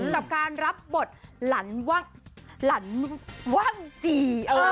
กับการรับบทหลันว่างจี